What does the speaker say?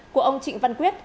của ông trịnh văn quyết